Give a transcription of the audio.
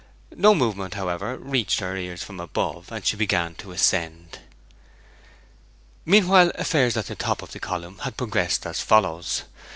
No movement, however, reached her ears from above, and she began to ascend. Meanwhile affairs at the top of the column had progressed as follows.